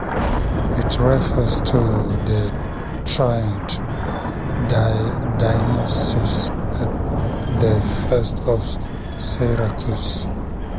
It refers to the tyrant Dionysius the First of Syracuse.